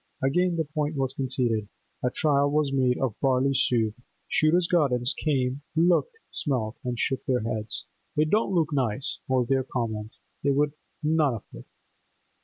Again the point was conceded; a trial was made of barley soup. Shooter's Gardens came, looked, smelt, and shook their heads. 'It don't look nice,' was their comment; they would none of it.